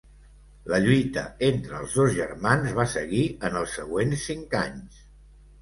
La lluita entre els dos germans va seguir en els següents cinc anys.